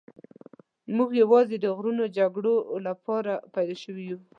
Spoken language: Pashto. موږ یوازې د غرونو جګړو لپاره پیدا شوي یو.